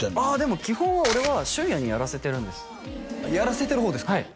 ああでも基本は俺は駿也にやらせてるんですやらせてる方ですか？